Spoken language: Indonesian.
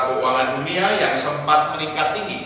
keuangan dunia yang sempat meningkat tinggi